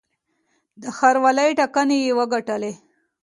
د ښاروالۍ ټاکنې یې وګټلې.